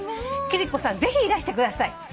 「貴理子さんぜひいらしてください」